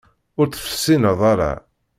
Ur tt-tessineḍ ara.